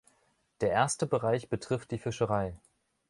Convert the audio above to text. Der erste Bereich betrifft die Fischerei.